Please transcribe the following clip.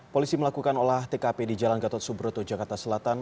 polisi melakukan olah tkp di jalan gatot subroto jakarta selatan